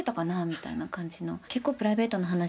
みたいな感じの。